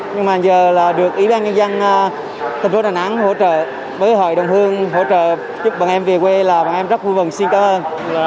nhưng mà giờ là được ủy ban ngân dân thành phố đà nẵng hỗ trợ với hội đồng hương hỗ trợ giúp bọn em về quê là bọn em rất vui vần xin cảm ơn